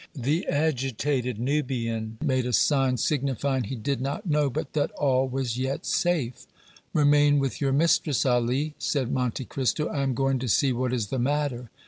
The agitated Nubian made a sign signifying he did not know, but that all was yet safe. "Remain with your mistress, Ali," said Monte Cristo. "I am going to see what is the matter."